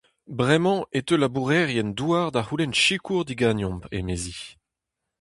Bremañ e teu labourerien-douar da c'houlenn sikour diganeomp, emezi.